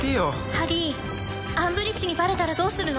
ハリーアンブリッジにバレたらどうするの？